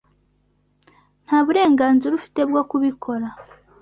Nta burenganzira ufite bwo kubikora.